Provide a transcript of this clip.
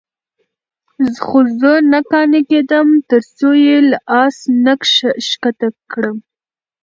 خو زه نه قانع کېدم. ترڅو یې له آس نه ښکته کړم،